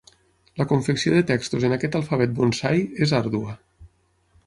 La confecció de textos en aquest alfabet bonsai és àrdua.